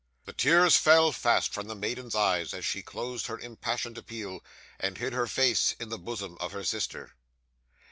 'The tears fell fast from the maiden's eyes as she closed her impassioned appeal, and hid her face in the bosom of her sister.